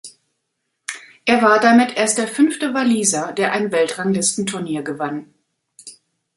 Er war damit erst der fünfte Waliser, der ein Weltranglistenturnier gewann.